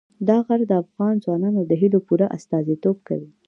دا غر د افغان ځوانانو د هیلو پوره استازیتوب کوي.